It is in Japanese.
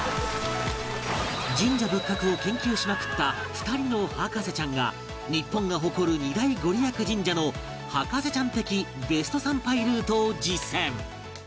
神社仏閣を研究しまくった２人の博士ちゃんが日本が誇る２大ご利益神社の博士ちゃん的ベスト参拝ルートを実践！